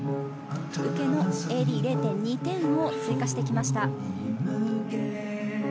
受けのＡＤ、０．２点を追加してきました。